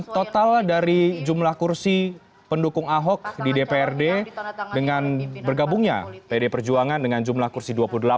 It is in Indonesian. total dari jumlah kursi pendukung ahok di dprd dengan bergabungnya pd perjuangan dengan jumlah kursi dua puluh delapan